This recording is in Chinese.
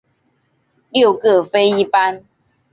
六各飞一班。